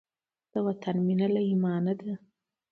د وطن مینه له ایمانه ده.